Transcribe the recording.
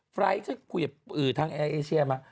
ไฟล์ที่คุยกับอื่นทั้งแอร์เอเชียมา